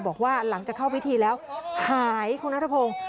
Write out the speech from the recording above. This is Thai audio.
บอกว่าหลังจากเข้าพิธีแล้วหายคุณนัทพงศ์